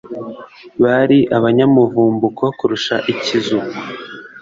Bari abanyamuvumbuko kurusha ikizu